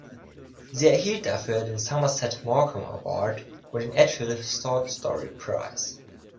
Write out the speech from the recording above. Sie erhielt dafür den Somerset Maugham Award und den Edge Hill Short Story Prize.